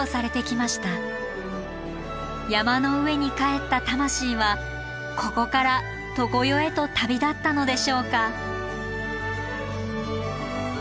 山の上に還った魂はここから常世へと旅立ったのでしょうか。